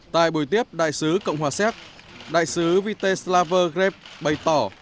tại buổi tiếp đại sứ cộng hòa xéc đại sứ viteslav greb bày tỏ